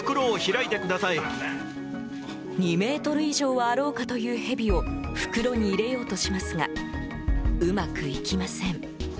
２ｍ以上はあろうかというヘビを袋に入れようとしますがうまくいきません。